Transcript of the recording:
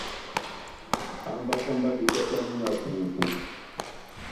Hambaka mba betatamu na fufu.